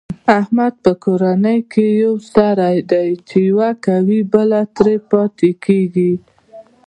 احمد په کورنۍ کې یو سری دی، چې یوه کوي بله ترې پاتې کېږي.